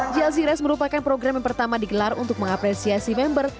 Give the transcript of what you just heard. jlc race merupakan program yang pertama digelar untuk mengapresiasi member